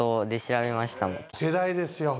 世代ですよ。